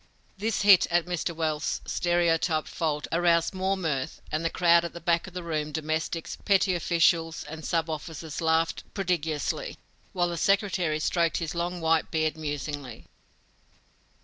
This hit at Mr. Welles' stereotyped fault aroused more mirth, and the crowd at the back of the room, domestics, petty officials, and sub officers, laughed prodigiously, while the secretary stroked his long white beard musingly.